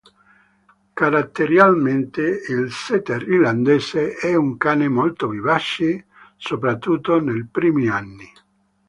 Caratterialmente il setter irlandese è un cane molto vivace, soprattutto nei primi anni.